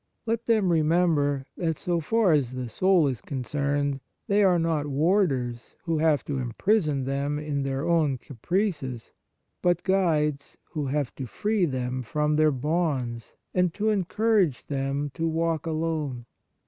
Let them remember 105 On the Exercises of Piety that, so far as the soul is concerned, they are not warders who have to imprison them in their own caprices, but guides who have to free them from their bonds and to encourage them to walk alone.